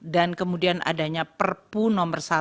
dan kemudian adanya perpu nomor satu